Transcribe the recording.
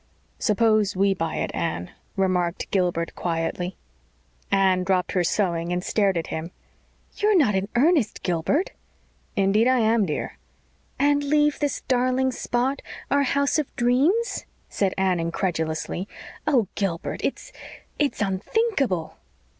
"Suppose we buy it, Anne?" remarked Gilbert quietly. Anne dropped her sewing and stared at him. "You're not in earnest, Gilbert?" "Indeed I am, dear." "And leave this darling spot our house of dreams?" said Anne incredulously. "Oh, Gilbert, it's it's unthinkable!"